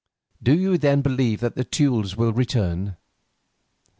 Do you then believe that the Teules will return?"